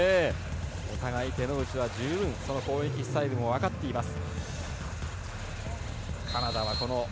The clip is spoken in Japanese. お互い手の内は十分攻撃スタイルも分かっています。